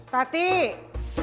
mbak ngojak kebawah aku